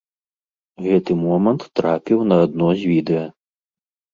Гэты момант трапіў на адно з відэа.